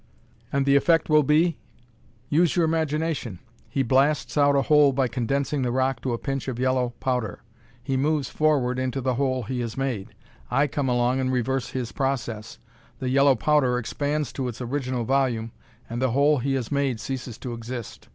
"And the effect will be?" "Use your imagination. He blasts out a hole by condensing the rock to a pinch of yellow powder. He moves forward into the hole he has made. I come along and reverse his process. The yellow powder expands to its original volume and the hole he has made ceases to exist.